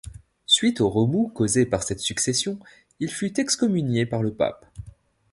Suite aux remous causés par cette succession, il fut excommunié par le pape.